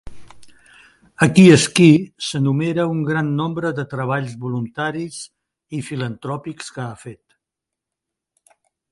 A "Qui és qui" s'enumera un gran nombre de treballs voluntaris i filantròpics que ha fet.